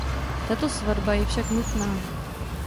Tato svatba je však nutná.